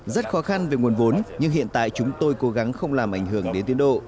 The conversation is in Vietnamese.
rất khó khăn về nguồn vốn nhưng hiện tại chúng tôi cố gắng không làm ảnh hưởng đến tiến độ